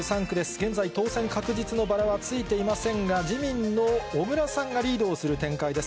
現在、当選確実のバラはついていませんが、自民の小倉さんがリードをする展開です。